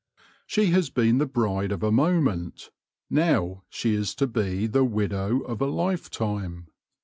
She has been the bride of a moment ; now she is to be the widow of a lifetime.